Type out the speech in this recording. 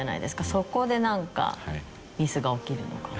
そこでなんかミスが起きるのかな。